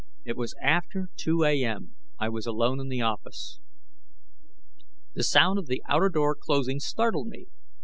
It was after 2 A.M.; I was alone in the office. The sound of the outer door closing startled me.